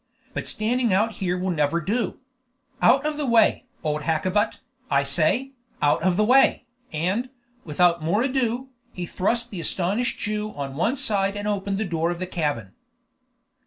But standing out here will never do. Out of the way, old Hakkabut, I say! out of the way!" and, without more ado, he thrust the astonished Jew on one side and opened the door of the cabin.